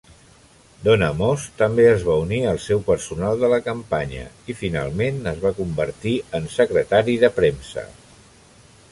Donna Moss també es va unir al seu personal de la campanya, i finalment es va convertir en secretari de premsa.